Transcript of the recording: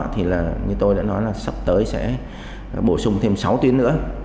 thì là như tôi đã nói là sắp tới sẽ bổ sung thêm sáu tuyến nữa